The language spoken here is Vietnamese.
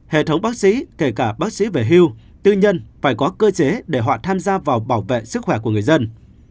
hệ thống bác sĩ kể cả bác sĩ về hưu tư nhân phải có cơ chế để họ tham gia vào bảo vệ sức khỏe của người dân